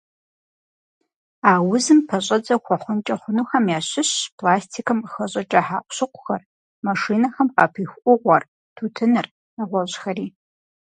А узым пэщӀэдзэ хуэхъункӀэ хъунухэм ящыщщ пластикым къыхэщӏыкӏа хьэкъущыкъухэр, машинэхэм къапиху Ӏугъуэр, тутыныр, нэгъуэщӏхэри.